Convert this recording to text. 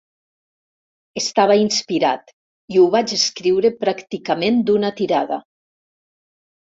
Estava inspirat i ho vaig escriure pràcticament d'una tirada.